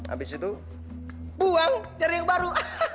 abis itu buang cari yang baru